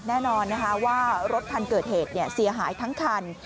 แน่นอนนะคะว่ารถคันเกิดเหตุเสียหายทั้งคัน